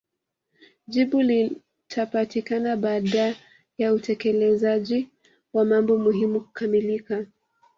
Jibu litapatikana baada ya utekelezaji wa mambo muhimu kukamilka